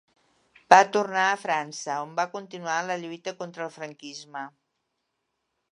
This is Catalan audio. Va tornar a França, on va continuar la lluita contra el franquisme.